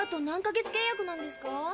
何か月契約なんですか？